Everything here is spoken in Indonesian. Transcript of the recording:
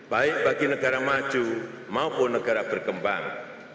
baik bagi negara maju maupun negara berkembang